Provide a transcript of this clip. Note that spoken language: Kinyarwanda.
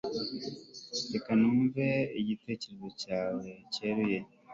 reka numve igitekerezo cyawe cyeruye